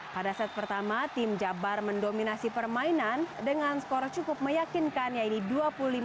pada set pertama tim jabar mendominasi permainan dengan skor cukup meyakinkan yaitu dua puluh lima